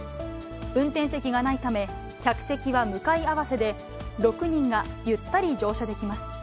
運転席がないため、客席は向かい合わせで、６人がゆったり乗車できます。